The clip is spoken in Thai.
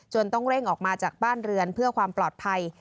ต้องเร่งออกมาจากบ้านเรือนเพื่อความปลอดภัย